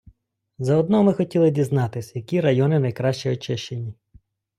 Заодно ми хотіли дізнатись, які райони найкраще очищені.